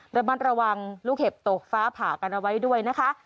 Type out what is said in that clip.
ระมัดระวังลูกเห็บตกฟ้าผ่ากันเอาไว้ด้วยนะคะ